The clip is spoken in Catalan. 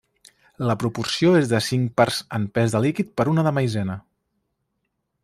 La proporció és de cinc parts en pes de líquid per una de maizena.